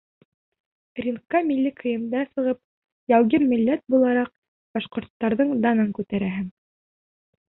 — Рингка милли кейемдә сығып, яугир милләт булараҡ, башҡорттарҙың данын күтәрәһең.